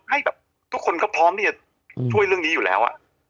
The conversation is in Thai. ให้แบบทุกคนก็พร้อมที่จะช่วยเรื่องนี้อยู่แล้ว